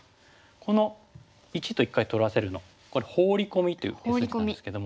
この①と一回取らせるのこれ「ホウリコミ」という筋なんですけども。